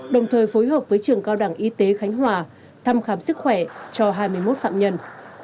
đồng thời phối hợp với trường cao đẳng y tế khánh hòa thăm khám sức khỏe cho hai mươi một phạm nhân